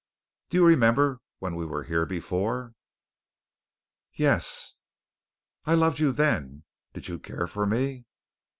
"Do you remember when we were here before?" "Yes." "I loved you then. Did you care for me?"